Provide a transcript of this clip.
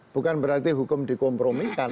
bukan berarti hukum dikompromiskan